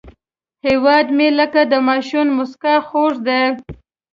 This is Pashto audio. هیواد مې لکه د ماشوم موسکا خوږ دی